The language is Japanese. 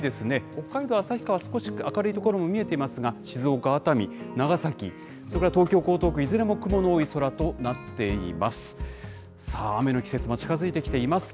北海道旭川、少し明るい所も見えていますが、静岡・熱海、長崎、それから東京・江東区、いずれも雲の多い空となっています。